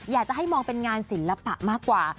อยากจะให้มองเป็นงานศิลปะมากกว่า